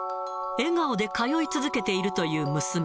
笑顔で通い続けているという娘。